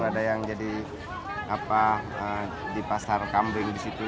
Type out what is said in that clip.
ada yang jadi di pasar kambing di situ